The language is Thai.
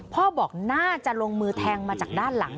พ่อบอกน่าจะลงมือแทงมาจากด้านหลัง